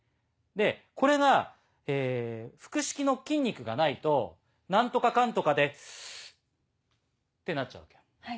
でこれが腹式の筋肉がないと「何とかかんとかで」。ってなっちゃうわけよ。